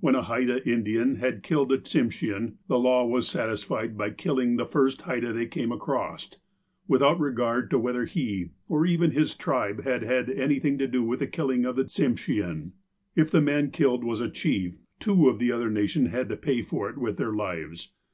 When a Haida Indian had killed a Tsimshean, the law was satisfied by killing the first Haida they came across, without regard to whether he, or even his tribe, had had anything to do with the killing of the Tsimshean, If the man killed was a chief, two of the other nation had to pay for it with their lives.